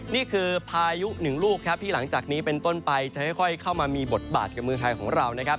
นี่คือพายุหนึ่งลูกครับที่หลังจากนี้เป็นต้นไปจะค่อยเข้ามามีบทบาทกับเมืองไทยของเรานะครับ